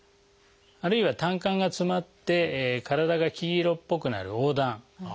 あるいは胆管が詰まって体が黄色っぽくなる黄疸。